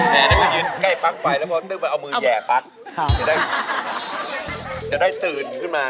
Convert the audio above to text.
แม่นี่มันยืนใกล้ปั๊กไฟแล้วแล้วก็ตึ๊บมาเอามือหยาง